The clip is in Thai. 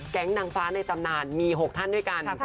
นางฟ้าในตำนานมี๖ท่านด้วยกัน